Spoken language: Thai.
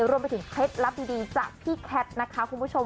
เคล็ดลับดีจากพี่แคทนะคะคุณผู้ชม